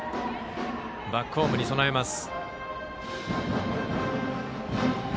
バックホームに備えます。